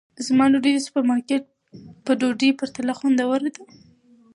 زما ډوډۍ د سوپرمارکېټ په ډوډۍ پرتله خوندوره ده.